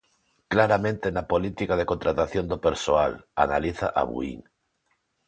Claramente na política de contratación do persoal, analiza Abuín.